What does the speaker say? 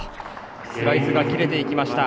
スライスが切れていきました。